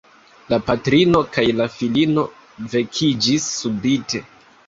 La patrino kaj la filino vekiĝis subite.